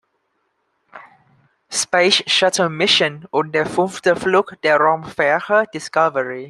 Space-Shuttle-Mission und der fünfte Flug der Raumfähre Discovery.